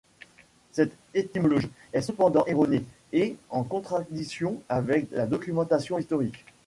Cette étymologie est cependant erronée et en contradiction avec la documentation historique.